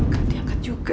gak diangkat juga